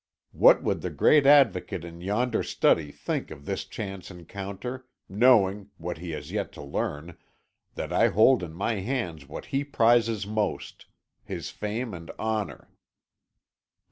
What would the great Advocate in yonder study think of this chance encounter, knowing what he has yet to learn that I hold in my hands what he prizes most his fame and honour?"